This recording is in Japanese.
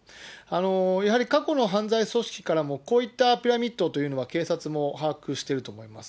やはり過去の犯罪組織からも、こういったピラミッドというのは、警察も把握してると思います。